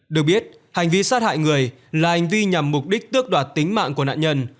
được biết hành vi sát hại người là hành vi nhằm mục đích tước đoạt tính mạng của nạn nhân